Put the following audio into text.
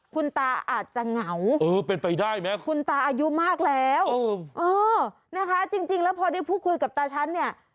คุณตาอายุมากแล้วจริงแล้วพอได้พูดคุยกับตาฉันเนี่ย